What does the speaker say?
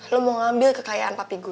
lo mau ngambil kekayaan papigu